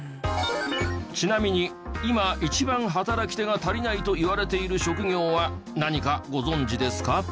ちなみに今一番働き手が足りないといわれている職業は何かご存じですか？